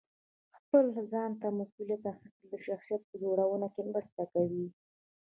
خپل ځان ته مسؤلیت اخیستل د شخصیت په جوړونه کې مرسته کوي.